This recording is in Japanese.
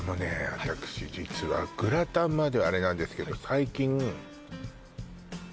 私実はグラタンまではあれなんですけど